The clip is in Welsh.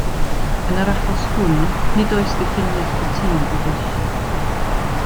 Yn yr achos hwn, nid oes diffiniad cytûn o ddull.